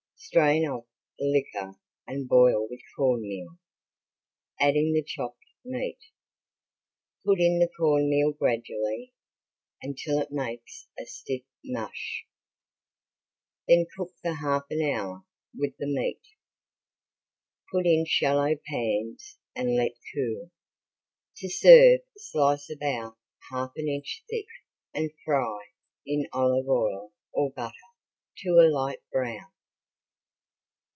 Strain off the liquor and boil with corn meal, adding the chopped meat. Put in the corn meal gradually, until it makes a stiff mush, then cook for half an hour with the meat. Put in shallow pans and let cool. To serve slice about half an inch thick and fry in olive oil or butter to a light brown.